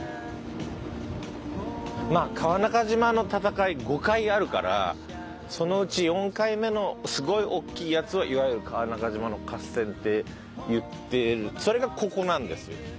まあ川中島の戦い５回あるからそのうち４回目のすごいおっきいやつをいわゆる川中島の合戦っていってそれがここなんです。